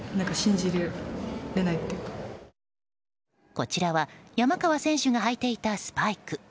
こちらは山川選手が履いていたスパイク。